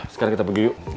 sekarang kita pergi yuk